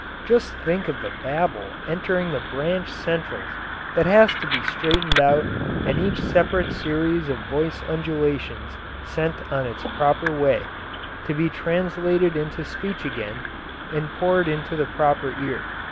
Just think of the babel entering the branch centrals that has to be straightened out and each separate series of voice undulations sent on its proper way, to be translated into speech again and poured into the proper ear.